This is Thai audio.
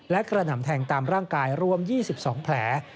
และกระหน่ำแทงตามร่างกายรวม๒๒แผล